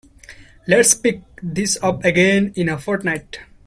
Let's pick this up again in a fortnight.